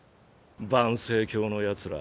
盤星教のヤツら